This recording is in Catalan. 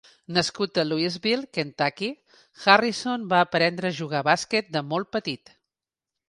Nascut a Louisville, Kentucky, Harrison va aprendre a jugar a bàsquet de molt petit.